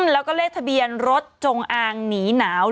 แล้วก็เลขทะเบียนรถจงอางหนีหนาว